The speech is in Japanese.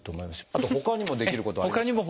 あとほかにもできることはありますか？